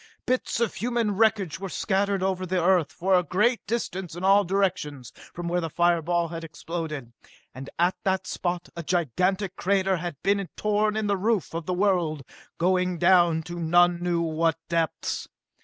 Bits of human wreckage were scattered over the Earth for a great distance in all directions from where the fire ball had exploded. And at that spot a gigantic crater had been torn in the roof of the world, going down to none knew what depths.